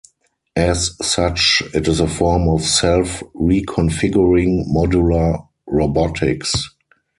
As such, it is a form of self-reconfiguring modular robotics.